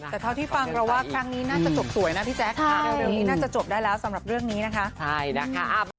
แต่เท่าที่ฟังเราว่าครั้งนี้น่าจะจบสวยนะพี่แจ๊คเร็วนี้น่าจะจบได้แล้วสำหรับเรื่องนี้นะคะ